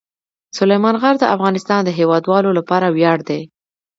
سلیمان غر د افغانستان د هیوادوالو لپاره ویاړ دی.